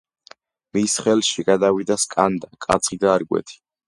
მის ხელში გადავიდა სკანდა, კაცხი და არგვეთი.